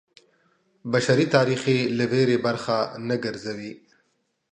بشري تاریخ یې له ویرې برخه نه ګرځوي.